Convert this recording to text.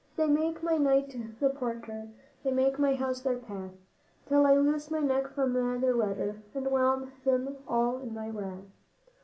They make my might their porter, they make my house their path, Till I loose my neck from their rudder and whelm them all in my wrath.